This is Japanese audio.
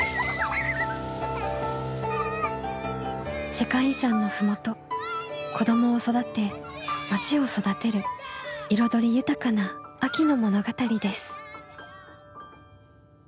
世界遺産の麓子どもを育てまちを育てる彩り豊かな秋の物語です。